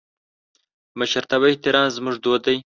د مشرتابه احترام زموږ دود دی.